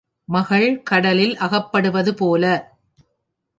மகள் கடலில் அகப்படுவதுபோல.